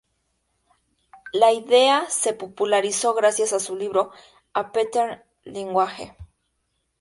La idea se popularizó gracias a su libro "A Pattern Language".